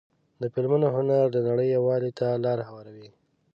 د فلمونو هنر د نړۍ یووالي ته لاره هواروي.